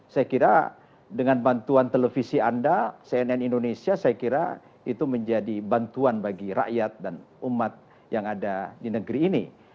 saya kira dengan bantuan televisi anda cnn indonesia saya kira itu menjadi bantuan bagi rakyat dan umat yang ada di negeri ini